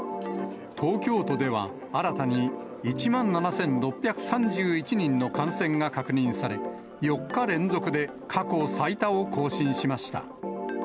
東京都では新たに１万７６３１人の感染が確認され、４日連続で過去最多を更新しました。